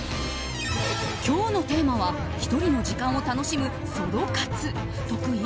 今日のテーマは１人の時間を楽しむソロ活得意？